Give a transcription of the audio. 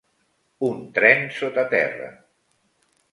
Un tren sota terra